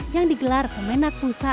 yang digelar kemenat pusat